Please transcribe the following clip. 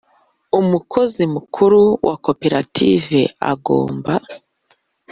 Umukozi mukuru wa Koperative agomba